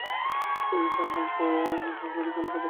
সুচরিতার সংকল্প ভঙ্গ হইল– সে সংসারের কোনো কথাই তুলিতে পারিল না।